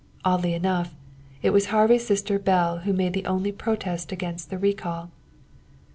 Oddly enough, it was Harvey's sister Belle who made the only protest against the recall.